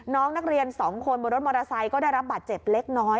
น้องนักเรียน๒คนบนรถมอเตอร์ไซค์ก็ได้รับบาดเจ็บเล็กน้อย